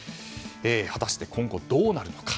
果たして今後どうなるのか。